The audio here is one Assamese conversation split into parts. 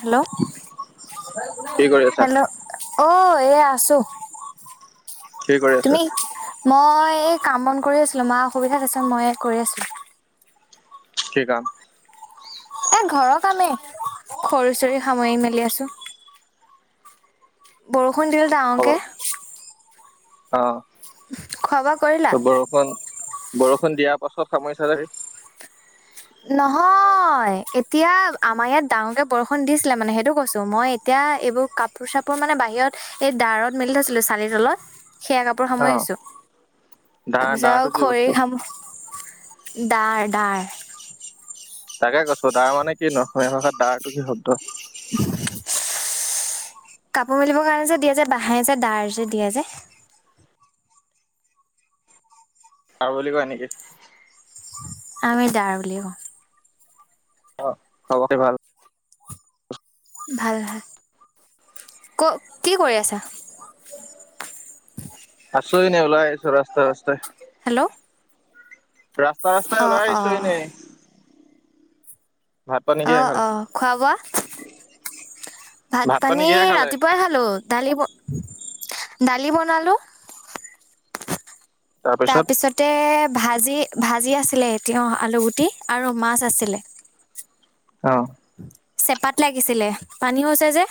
হেল্ল' কি কৰি আছা? হেল্ল' অ। এইয়ে আছোঁ। কি কৰি আছা? মই এই কাম বন কৰি আছিলো মাৰ অসুবিধা হৈছে মইয়ে কৰি আছোঁ। কি কাম? এ ঘৰৰ কামেই খৰি-চৰি সামৰি মেলি আছোঁ। বৰষুণ। দিলে খবৰ? ডাঙৰকে। অ। খোৱা বোৱা কৰিলা বৰষুণ। বৰষুণ দিয়াৰ পাছত সামৰিছা যে। নহয়, এতিয়া আমাৰ ইয়াত ডাঙৰকে বৰষুণ দিছিলে মানে সেইটো কৈছোঁ। মই এতিয়া এইবোৰ কাপোৰ- চাপোৰ মানে বাহিৰত এই দাৰত মেলি থৈছিলো চালিৰ তলত। সেয়া কাপোৰ অ', সামৰিছো, দাৰ তাৰপিছত দাৰটো আৰু কি বস্তু? খৰি ডাৰ ডাৰ। তাকে কৈছো ডাৰ মানে কিনো? অসমীয়া ভাষাত ডাৰটো কি শব্দ? [inaudible] কাপোৰ মেলিবৰ কাৰণে যে দিয়া যে বাহেৰে যে ডাৰ যে দিয়া যে। ডাৰ বুলি কয় নেকি? আমি ডাৰ বুলিয়ে কওঁ। অ খবৰ খাতি ভাল? ভাল ভাল। ক কি কৰি আছা? আছোঁ এনেই ওলাই আহিছোঁ ৰাস্তা ৰাস্তাই। হেল্ল'। ৰাস্তা ৰাস্তাই অ ওলাই অ আহিছো এনেই। ভাত পানী অ কিহে খালে? অ খোৱা বোৱা ভাত পানী ৰাতিপুৱাই খালোঁ। দালি ব দালি বনালো। তাৰপিছত তাৰপিছতে। ভাজি ভাজি আছিলে, তিয়হ আলুগুটি আৰু মাছ আছিলে। অ। চেপাত লাগিছিলে পানী হৈছে যে।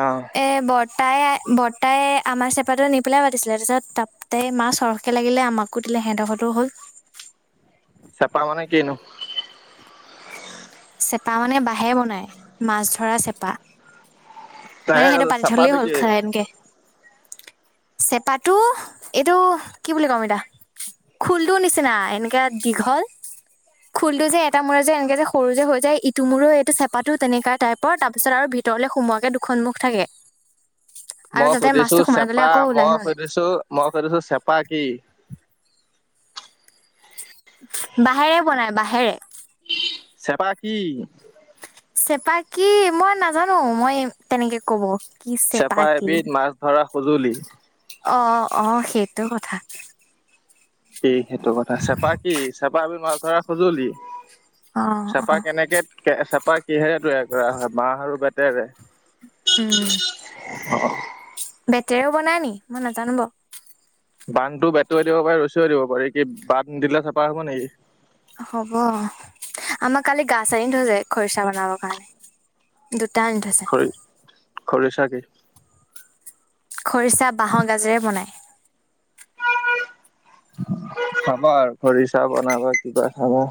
অ', এ বত ৰ্তাই বৰ্তাই আমাৰ চেপাটো নিপেলাই পাতিছিলে তাৰপিছত তাপতে মাছ সৰহকে লাগিলে আমাকো দিলে সিহঁত ঘৰতো হ'ল চেপা মানে কিনো? চেপা মানে বাহ [unintelligible] বনাই, মাছ ধৰা চেপ [unintelligible] মানে তাকে সেইটো কৈছো পানী হলে চেপাটো হ'ল কি? খা এনকে। চেপাটো এইটো কি বুলি কম এতিয়া, খোলটো নিচিনা এনেকাে দীঘল খোলটো যে এটা মূৰে যে এনেকে যে সৰু যে হৈ যায়, ইটো মূৰে এইটো চেপাটো তেনেকা টাইপৰ তাৰ পিছত আৰু ভিতৰলে সুমোৱাকে সন্মুখ থাকে। আৰু মই তাতে সুধিছো মাছটো সোমাই গ'লে চেপা, আকৌ মই ওলাই হ'ল সুধিছো, মই সুধিছো চেপা কি? বাঁহেৰে বনাই, বাঁহেৰে। চেপা কি? চেপা কি মই নাজানো মই তেনেকে কব। কি চেপা কি এবিধ মাছ ধৰা সঁজুলি। অ, ' অ সেইটো কথা। কি সেইটো কথা চেপা কি চেপা তৰা সঁজুলি। অ অ চেপা কেনেকে চেপা কিহেৰে তৈয়াৰ কৰা হয় মাহ আৰু বেতেৰে উম। তেও বনায় নি মই নাজানো বান্ধটো বেটুৱাই দিব পাৰাৰে ৰচাই দিব পাৰি কি বান্ধ দিলে চাফা হ'ব নেকি। হ'ব আমাৰ কালি গা আনি থৈ যায় খৰিচা বনাবৰ কাৰণে দু টানি থৈছে। কৰিছ কি। খৰিচা বাঁহ গাজেৰে বনাই। খাবা আৰু খৰিচা বনাবা কিবা খাবা।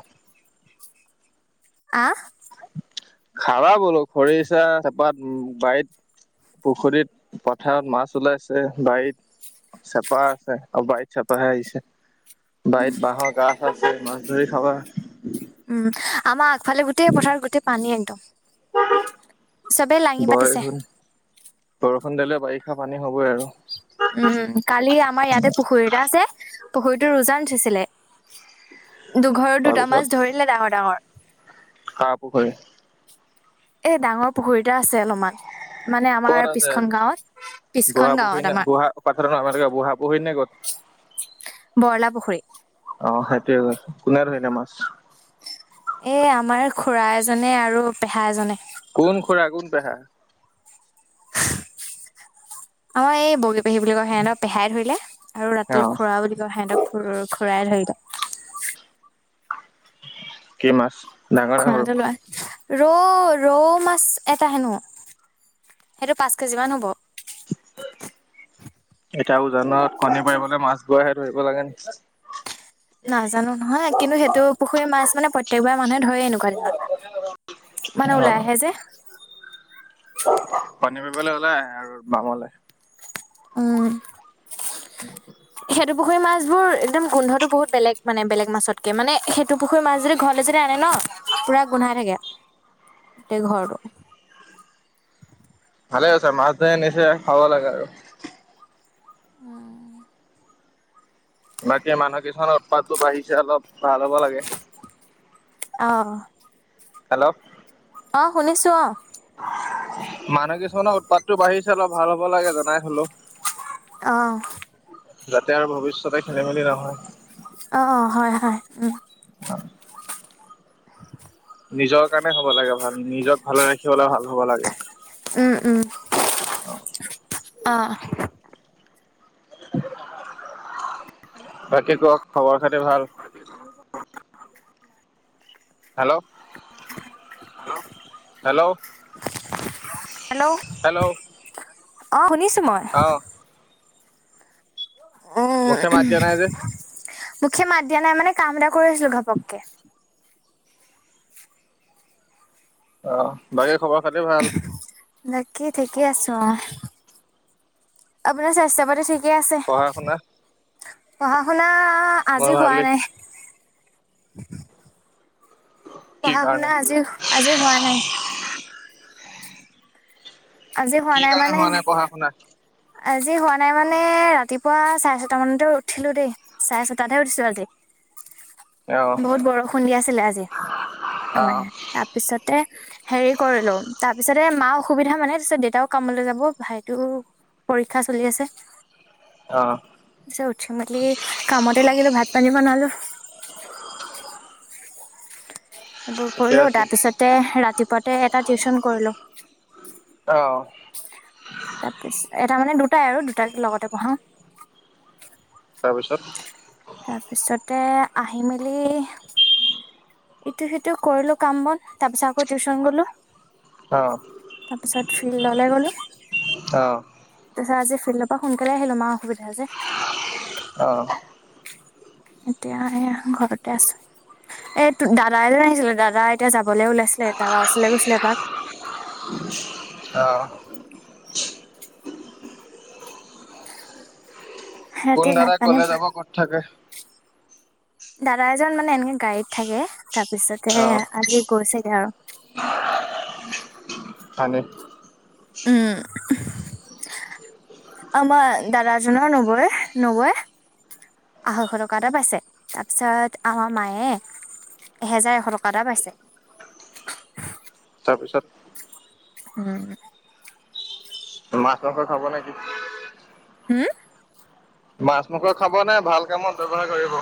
আহ। খাবা বলো খৰিচা চেপাত উ বাৰীত পুখুৰীত পথাৰত মাছ ওলাইছে বাৰীত চেপা আছে আৰু বাৰীত চেপাহে আহিছে বাৰত বাঁহৰ কাষ আছে ধৰি খাবা। উম আমাৰ আগফালে গোটেই পথাৰত গোটেই পানী একদম। চবেই লাঙি পাতিছে বৰষুণ বৰষুণ দিলে। বাৰিষা পানী হ'বই আৰু। উম কালি আমাৰ ইয়াতে পুখুৰীটা আছে। পুখুৰীতো উজান উঠৈছিলে। দুঘৰৰ দুটা মাছ তাৰপিছত ধৰিলে ডাঙৰ ডাঙৰ। কাৰ পূখূৰীৰ। এ ডাঙৰ পুখুৰীতটা আছে অলপমান মানে আমাৰ ক'ত আছে পিছখন গাঁৱত পিছখন বুঢ়া পুহী গাঁৱত নে আমাৰ বুঢ়া পাথাৰ আমাৰে বুঢা পুখুৰী নে ক'ত। কলাপুখুৰী। অ সেইটোয়ে কৈছো কোনে ধৰিলে মাছ। এ আমাৰ খুৰা এজনে আৰু পেহা এজনে। কোন খোৰা কোন পহা। অ এই বৌ পেহী বুলি কয় সিহঁতক পেহাই ধৰিলে ৰাতিটো অ খুৰাও বুলি কয় সিহঁতক খ খুৰাই ধৰিলে [unintelligible] কি মাছ? ডাঙৰ নে সৰু খুৰাঁহতৰ ল'ৰা। ৰৌ ৰৌ মাছ এটা হেনো সেইটো পাঁচ কেজি মান হ'ব। [unintelligible] উজানত কণী পাৰিবলৈ মাছ বোৱহে ধৰিব লাগে নি? নাজানো নহয়। কিন্তু সেইটো পুখুৰী মাছ মানে প্ৰত্যয়েকবাৰ মানুহে ধৰে এনেকুৱা দিনত। মানে ওলাই আহে যে। পানী [unintelligible] ওলাই আহে আৰু বামলে। উম। [unintelligible] সেইটো পুখুৰী মাছ বোৰ একদম গোন্ধটো বহুত বেলেগ মানে, বেলেগ মাছতকে মানে সেইটু পুখুৰী মাছ যদি ঘৰলে যদি আনে ন পুৰা গোন্ধাই থাকে। গোটেই ঘৰটো। ভালে আছে, মাছ ধৰি নিচে খাব লাগে আৰু। বাকী মানুহ কিছুমানৰ উৎপাতটো বাঢ়িছে অলপ ভাল হ'ব লাগে। অ'। হেলো। অ', শুনিছোঁ অ'। মানুহ কিছুমানৰ উৎপাততটো বাঢ়িছে অলপ ভাল হ'ব লাগে জনাই থলো। অ। যাতে আৰু ভৱিষ্যতে খেলি মেলি নহয়। অ', অ', হয়-হয়। উম। অ। নিজৰ কাৰণে হ'ব লাগে ভাল। নিজক ভালে ৰাখিবলে ভাল হ'ব লাগে। উম, উম। অ'। বাকী কওক, খবৰ-খাতি ভাল? হেলো। হেল্ল' হেল্ল' হেল্ল' অ', শুনিছ ময়। অ মুখে মাত দিয়া নাই যে? মুখে মাত দিয়া নাই, মানে কাম এটা কৰি আছিলো ঘপককে। অ', বাকী খবৰ খাতি ভাল? বাকী ঠিকে আছো, অ'। আপোনাৰ স্বাস্থ্য-পাতি ঠি কি আছে। পঢ়া শুনা পঢ়া-শুনা মোৰ আ-আজি হোৱা ভালেই নাই। [unintelligible] কি কাৰণে পঢ়া-শুনা আজি-আজি হোৱা নাই। আজি হোৱা কি নাই, কাৰণে হোৱা মানে- নাই পঢ়া শুনা আজি হোৱা নাই মানে, ৰাতিপুৱা চাৰে-ছটামানতে উঠিলোঁ দেই। চাৰে-ছটাতহে উঠিছোঁ আজি। অ বহুত বৰষুণ দি আছিলে আজি। অ আমাৰ ইয়াত। তাৰপিছতে হেৰি কৰিলোঁ, তাৰ পিছতে মাৰ অসুবিধা মানে ছত দেউতাও কামলৈ যাব। ভাইটোও পৰীক্ষা চলি আছে। অ পিছে উঠি-মেলি কামত- তে লাগিলোঁ, ভাত-পানী বনালোঁ। সেইবোৰ ঠিকে কৰিলোঁ। আছে তাৰ পিছতে, ৰাতিপুৱাতে এটা টিউচন কৰিলোঁ। অ তাৰপিছ- এটা মানে দু- টা আৰু। দুটাকে লগতে পঢ়াওঁ। তাৰ পিছত। তে আহি-মেলি- ইটো-সিটো কৰিলোঁ কাম-বন। তাৰ পিছত আকৌ টিউচন গলোঁ। অ তাৰপিছত ফিল্ডলে গলোঁ। তাৰ অ পিছত আজি- ফিল্ডৰ পৰা সোনকালে আহিলোঁ। মাৰ অসুবিধা যে। অহ। এতিয়া এয়া ঘৰতে আছোঁ। এতো দাদাইৰে আহিছিল, দাদা এতিয়া যাবলৈ ওলাইছিলে। দাদাৰ ওচৰলে গৈছিলে এপাক। অহ। কোন ৰাতি ভাত দাদা, পানী কলৈ যাব, ক'ত থাকে? দাদা এজন, মানে এনেকে গাড়ীত থাকে। তাৰপিছতে, অ আজি গৈছেগে আৰু। হয় নে। উম। উম, আমাৰ দাদাজনৰ নবৌৰ, নবৌৱে, আঢ়ৈশ টকা এটা পাইছে। তাৰ পিছত, আমাৰ মায়ে এহেজাৰ এশ টকা এটা পাইছে। পিছত। উম। মাছ-মাংস খাব নে কি? ম - মাছ-মাংস খাব নে ভাল কামত ব্যবহাৰ কৰিব?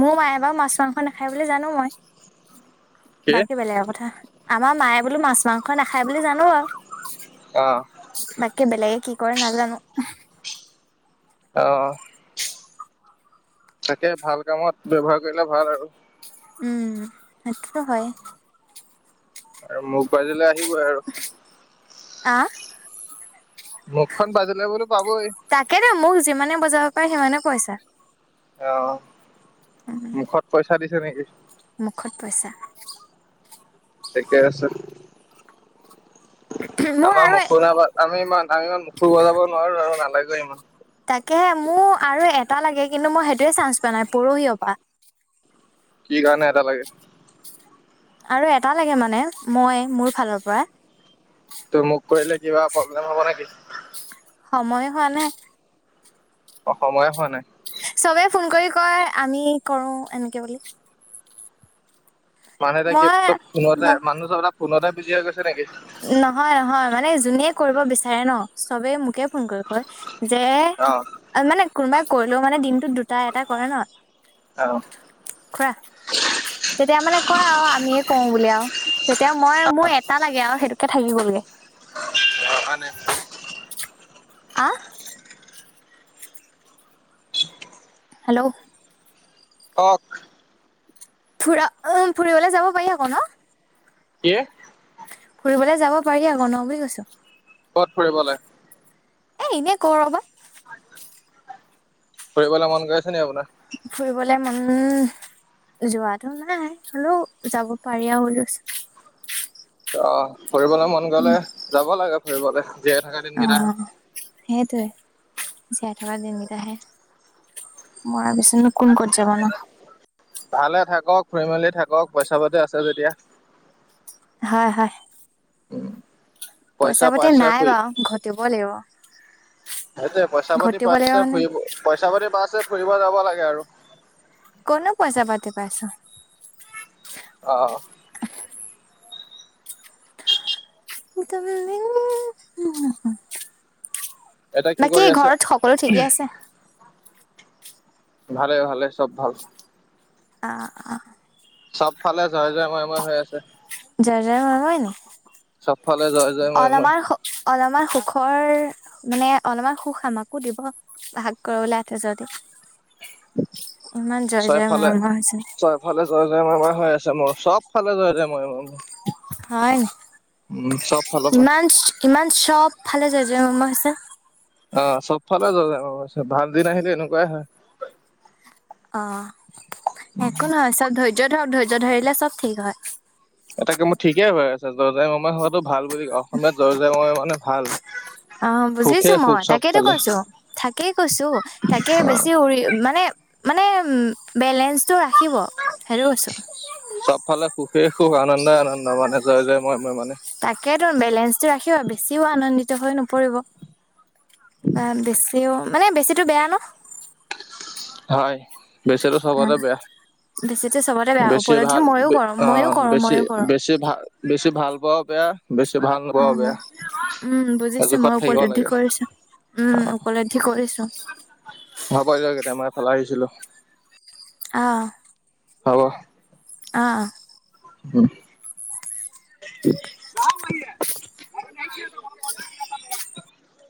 মোৰ মায়ে বাৰু মাছ-মাংস নাখায় বুলি জানোঁ মই। কি বাকী বেলেগৰ কথা- আমাৰ মায়ে বোলোঁ, মাছ-মাংস নাখায় বুলি জানোঁ আৰু। অহ। বাকী বেলেগে কি কৰে নাজানো অ' তাকে ভাল কামত ব্যৱহাৰ কৰিলে ভাল আৰু উম সত্ৰ হয়। আৰু মোৰ পাইজলৈ আহিবই আৰু। মুখখন বাজিলে বোলো পাবই তাকে দে মোক যিমানে বজা। পাই সিমানে পইচা। অ' মুখত পইচা দি। [inaudible] মুখত পইচা। ঠিকে আছে মোৰ আমাৰ আৰু মুখখন এবাৰ আমি ইমান আমি ইমান মুখো বজাব নোৱাৰো আৰু নালাগে ইমান তে মোৰ আৰু এটা লাগে কিন্তু মই সেইটোৱে চানছ পোৱা নাই পৰিয়ালৰ পা কি কাৰণে এটা লাগে আৰু এটা লাগে মানে মই মোৰ ফালৰ পৰা ত মোক কৰিলে কিবা প্ৰব্লেম হব নেকি সময় হোৱা নে অ সময়ে হোৱা নাই চবে ফোন কৰি কয় আমি কৰো এনেকে বুলি মানুহ এটাই কি মই চব ম ফুনতে মানুহ চবটা ফোনতে বিজি আছ নহয় নহয় মানে যোনে কৰিব বিচাৰে ন চবে মোকে ফোন কৰি কয় যে অ মানে কোনোবা কৰিলেও মানে দিনটোত দুটা এটা কৰে ন অ খোৱা তেতিয়া মানে কয় আৰু আমিয়ে কও বুলি আৰু তেতিয়া মই মোৰ এ য়া আও সেইটোকে থাকি গ'লগে অ অহানাই আ হেল্ল' কক ফুৰা অ ফুৰিবলে যাব পাৰি আকৌ ন কি ফুৰিবলৈ যাব পাৰি আকৌ ন বুলি কৈছো কত ফুৰিবলে এ এনেই কৰ বাত কৰিবলে মন গৈছে আছে নাই আপোনাৰ মানে যোৱাটো নাই হলেও যাব পাৰি আৰু দিয়কচোন অহ ফুৰিবলে মন গ'লে যাব লাগে কৰবাল অ সেইটোৱে জীয়াই থকা দিন কেতাহে মৰা পিছতনো কোন কত জাব ন ভালে থাকক ফুৰি মেলি থাকক পইচা পাতি আছে যেতিয়া হয় হয় উম পইচা পাতি নাই বাৰু ঘটিব লাগিব সেইটোৱে পইচা পাতি ঘটিব লাগিব পাইছে মানে ফুৰিব পইচা পাতি পাইছে ফুৰিব যাব লাগে আৰু ক'তনো পইচা পাতি পাইছো। অ', একদমেই [unintelligible] এতিয়া কি বাকী কৰি আছে ঘৰত সকলো ঠিকেই আছে? ভালে ভালে, চব ভাল। অ', অ'। চবফালে জয়-জয়, ময়-ময় হৈ আছে। যাৰ-যাৰ হয় নেকি চবফালে জয়-জয় মই-মই অলপমান সুখৰ মানে, অলপমান সুখ আমাকো দিব, ভাগ কৰিবলৈ আতে যদি। ইমান জয় জয় ছয়ফালে, মৰমৰ হৈছে ছয়ফালে জয়-জয় ময়-ময় হৈ আছে, ন চব চবফালে জয়-জয় মই-মই হয়, ফালৰ পৰা ইমান, ইমান চব ফালে জয়-জয় মই-মই হৈছে। অ', চবফালে জয়-জয় মই-মই হৈছে, ভাল দিন আহিলে এনেকুৱাই হয়। অ' একো নহয়, চব ধৈৰ্য ধৰক, ধৈৰ্য্য ধৈৰ্য্য ধৰিলে চব ঠিক হয়। এটা কামত ঠিকেই হৈ আছে, জয়-জয় মই-মই হোৱাতো ভাল বুলি অসমীয়াত জয়-জয় মই-মই মানে ভাল। অ', সুখে বুজিছো সুখ মই, চব তাকেইেতো ফালে কৈছো, থাকেই কৈছো তাকে অ বেছি উৰি মানে মানে বেলেন্ঞ্চ বেলেঞ্চতো ৰাখিব, হেতো কৈছো। ইফালে সুখেই সুখ, আনন্দই আনন্দ, মানে জয়-জয় মই-মই মানে তাকে তো, বেলেঞ্চটো ৰাখিব, বেছিও আনন্দিত হৈ নপৰিব। বা বেছিও মানে বেছিতো বেয়া ন? হয়। বেছিতো অ চবতে বেয়া, বেছিতো চবতে বেয়া বেছি উপলব্ধি ভাল, ময়ো কৰো ময়ো অ' কৰো বেছি, ময়ো কৰো বেছি ভাল বেছি ভাল ব' বেয়া বেছি ভাল নোপোৱাও বেয়া অ', উম বুজিছো জোখত মই, থাকিব উপলব্ধি লাগে কৰিছো, উম অ উপল্ধি কৰিছো। হব দে তেতিয়া হ'লে, মই ফালে আহিছিলো। আহ। হব। আ। উম [unintelligible]